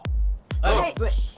はい！